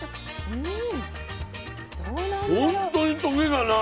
うん。